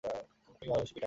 আমি আপনাকে ভালোবাসি, পিটার।